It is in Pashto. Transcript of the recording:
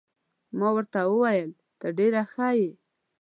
ما ورته وویل: ته ډېر ښه يې.